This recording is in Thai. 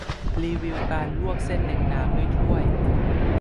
รีวิวการลวกเส้นเล็กน้ำด้วยถ้วย